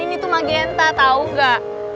ini tuh magenta tau gak